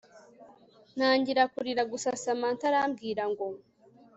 ntangira kurira gusa samantha arambwira ngo